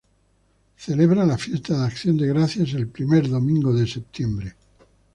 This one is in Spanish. Celebra las Fiestas de Acción de Gracias el primer domingo de septiembre.